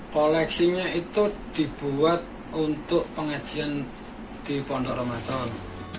koleksinya itu dibuat untuk pengajian di pondok ramadan